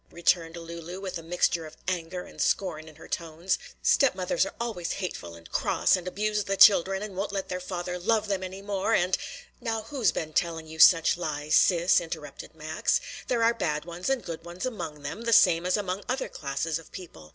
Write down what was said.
returned Lulu, with a mixture of anger and scorn in her tones. "Step mothers are always hateful and cross and abuse the children and won't let their father love them any more, and " "Now who's been telling you such lies, sis?" interrupted Max. "There are bad ones and good ones among them, the same as among other classes of people.